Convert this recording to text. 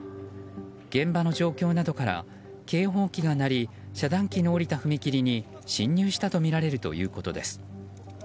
現場の状況などから警報機が鳴り遮断機の下りた踏切に進入したとみられるということです。